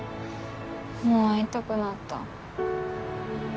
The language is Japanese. もう会いたくなった。